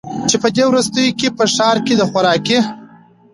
چي په دې وروستیو کي په ښار کي د خوراکي